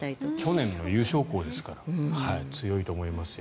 去年の優勝校ですから強いと思いますよ。